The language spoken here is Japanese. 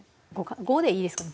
５でいいですかね